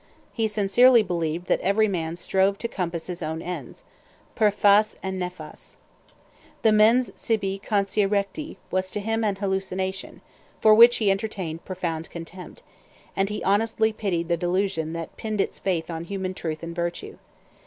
He sincerely believed that every man strove to compass his own ends, per fas et nefas. The mens sibi conscia recti was to him an hallucination, for which he entertained profound contempt; and he honestly pitied the delusion that pinned its faith on human truth and virtue.